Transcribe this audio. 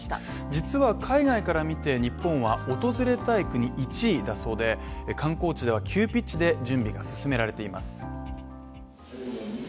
実は海外から見て日本は訪れたい国１位だそうで観光地では急ピッチで準備が進められています。